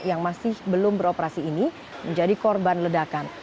yang masih belum beroperasi ini menjadi korban ledakan